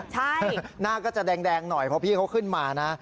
ใช่หน้าก็จะแดงหน่อยเพราะพี่เขาขึ้นมานะ